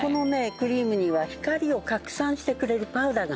クリームには光を拡散してくれるパウダーが入っているんですよ。